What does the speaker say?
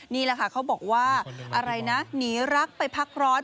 นี่แหละค่ะเขาบอกว่าอะไรนะหนีรักไปพักร้อน